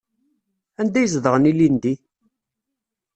Anda ay zedɣen ilindi?